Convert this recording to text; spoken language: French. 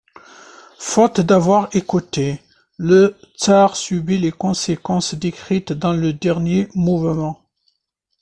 Faute d'avoir écouté, le tsar subit les conséquences décrites dans le dernier mouvement.